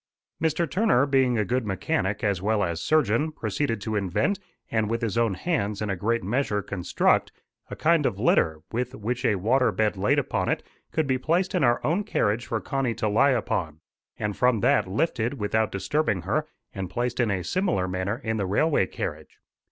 Mr. Turner, being a good mechanic as well as surgeon, proceeded to invent, and with his own hands in a great measure construct, a kind of litter, which, with a water bed laid upon it, could be placed in our own carriage for Connie to lie upon, and from that lifted, without disturbing her, and placed in a similar manner in the railway carriage.